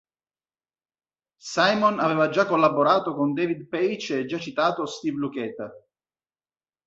Simon aveva già collaborato con David Paich e il già citato Steve Lukather.